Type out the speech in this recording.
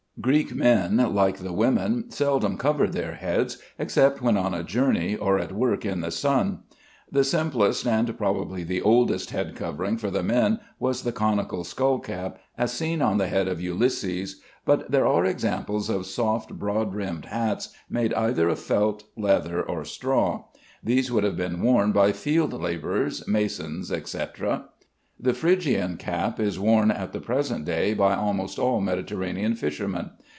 Greek men, like the women, seldom covered their heads, except when on a journey or at work in the sun. The simplest and probably the oldest head covering for the men was the conical skull cap as seen on the head of Ulysses, but there are examples of soft broad rimmed hats made either of felt, leather, or straw. These would have been worn by field laborers, masons, etc. The Phrygian cap is worn at the present day by almost all Mediterranean fishermen.